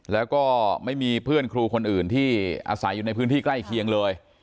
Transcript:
แล้วก็ไม่มีเพื่อนครูคนอื่นที่อาศัยอยู่ในพื้นที่ใกล้เคียงเลย